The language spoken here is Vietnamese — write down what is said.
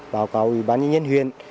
báo cáo ủy ban nhân dân huyền